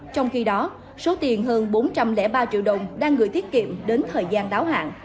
trong khi đó số tiền hơn bốn trăm linh ba triệu đồng đang gửi tiết kiệm đến thời gian đáo hạn